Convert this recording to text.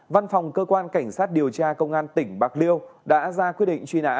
văn phòng cơ quan cảnh sát điều tra công an tỉnh bạc liêu đã ra quyết định truy nã